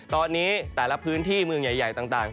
ตอนนี้แต่ละพื้นที่เมืองใหญ่ต่าง